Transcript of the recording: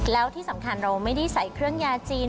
แล้วที่สำคัญเราไม่ได้ใส่เครื่องยาจีน